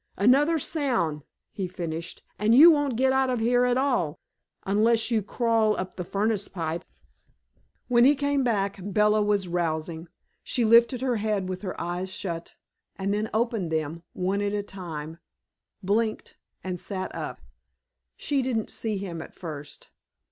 "Another sound," he finished, "and you won't get out of here at all, unless you crawl up the furnace pipe!" When he came back, Bella was rousing. She lifted her head with her eyes shut and then opened them one at a time, blinked, and sat up. She didn't see him at first.